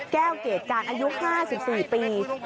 แก้วเกรดการอายุ๕๔ปี